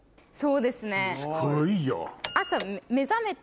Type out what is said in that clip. そうですね。